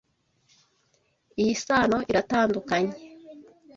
Iyi sano iratandukanye.